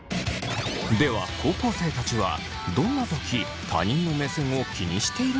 では高校生たちはどんなとき他人の目線を気にしているのか？